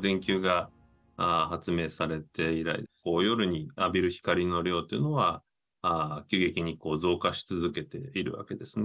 電球が発明されて以来、夜に浴びる光の量というのは急激に増加し続けているわけですね。